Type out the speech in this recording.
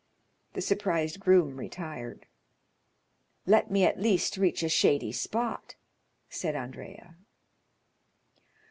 The surprised groom retired. "Let me at least reach a shady spot," said Andrea.